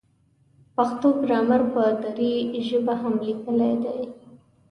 پښتو ګرامر په دري ژبه هم لیکلی دی.